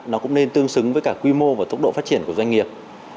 nó cũng nên tương xứng với cả quy mô và tốc độ phát triển của doanh nghiệp